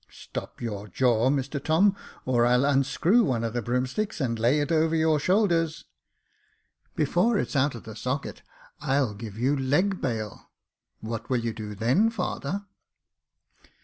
" Stop your jaw, Mr Tom, or I'll unscrew one of the broomsticks, and lay it over your shoulders." *' Before it's out of the socket, I'll give you leg bail. What will you do then, father